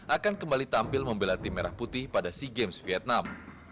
akan kembali tampil membela tim merah putih pada sea games vietnam